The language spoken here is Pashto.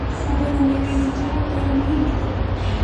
اوبه د میوې وینځلو لپاره مهمې دي.